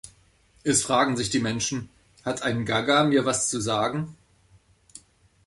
Es fragen sich die Menschen: Hat ein Gaga mir was zu sagen?